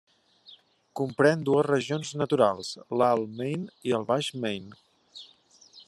Comprèn dues regions naturals, l'alt Maine i el baix Maine.